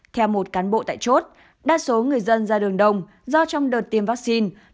theo một cán bộ tại chốt đa số người dân ra đường đông do trong đợt tiêm vaccine